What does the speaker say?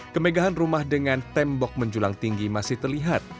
kemegahan rumah dengan tembok menjulang tinggi masih terlihat